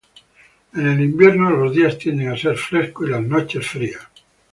En el invierno los días tienden a ser frescos y las noches frías.